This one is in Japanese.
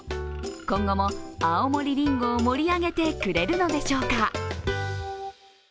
今後も青森りんごを盛り上げてくれるのでしょうか。